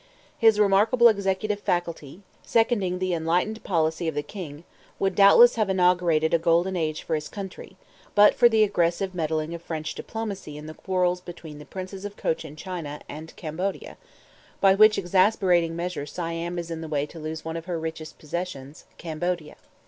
His remarkable executive faculty, seconding the enlightened policy of the king, would doubtless have inaugurated a golden age for his country, but for the aggressive meddling of French diplomacy in the quarrels between the princes of Cochin China and Cambodia; by which exasperating measure Siam is in the way to lose one of her richest possessions, [Footnote: Cambodia.